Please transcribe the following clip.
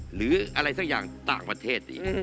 หรืออะไรสักอย่างต่างประเทศดี